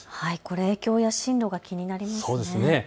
影響や進路が気になりますね。